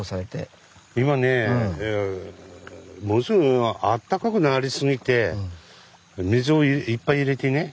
今ねものすごくあったかくなりすぎて水をいっぱい入れてね